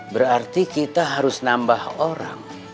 berarti kita harus nambah orang